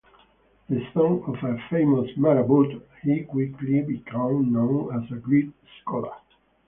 The son of a famous Marabout, he quickly became known as a great scholar.